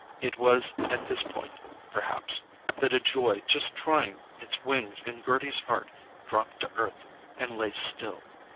It was at this point, perhaps, that a joy just trying its wings in Gerty's heart dropped to earth and lay still.